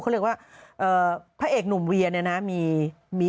เขาเรียกว่าพระเอกหนุ่มเวียเนี่ยนะ